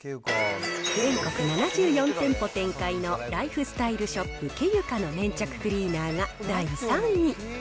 全国７４店舗展開のライフスタイルショップ、ケユカの粘着クリーナーが第３位。